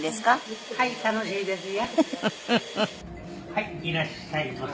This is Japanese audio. いらっしゃいませ」